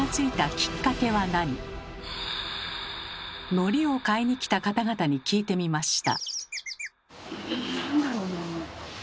のりを買いに来た方々に聞いてみました。